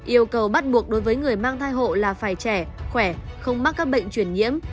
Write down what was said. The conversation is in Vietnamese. yêu cầu bắt buộc đối với người mang thai hộ là phải trẻ khỏe không mắc các bệnh chuyển nhiễm